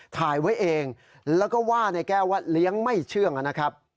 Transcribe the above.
ถ่ายไว้เองแล้วก็ว่านายแก้วว่าเลี้ยงไม่เชื่องนะครับ